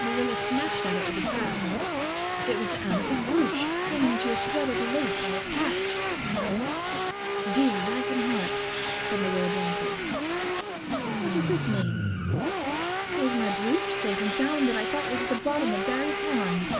Marilla snatched at it with a gasp. It was the amethyst brooch, hanging to a thread of the lace by its catch! "Dear life and heart," said Marilla blankly, "what does this mean? Here's my brooch safe and sound that I thought was at the bottom of Barry's pond.